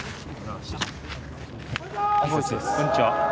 こんにちは。